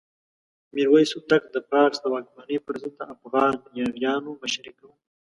میرویس هوتک د فارس د واکمنۍ پر ضد د افغان یاغیانو مشري کوله.